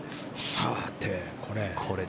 さて、これ。